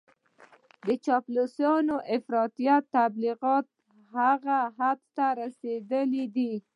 د چاپلوسانو افراطي تبليغات هغه حد ته رسېدلي دي.